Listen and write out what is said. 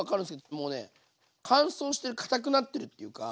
もうね乾燥して堅くなってるっていうか。